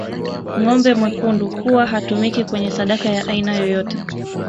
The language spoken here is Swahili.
Ngombe mwekundu huwa hatumiki kwenye sadaka ya aina yoyote